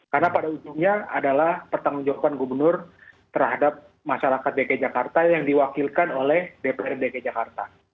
karena pada ujungnya adalah pertanggung jawaban gubernur terhadap masyarakat dki jakarta yang diwakilkan oleh dpr dki jakarta